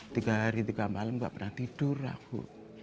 tiga hari tiga malam gak pernah tidur aku